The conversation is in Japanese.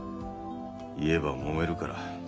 言えばもめるから。